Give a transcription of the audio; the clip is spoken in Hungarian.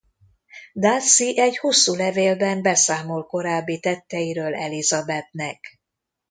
Darcy egy hosszú levélben beszámol korábbi tetteiről Elizabethnek.